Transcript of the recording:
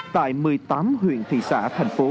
tại một mươi tám huyện thị xã thành phố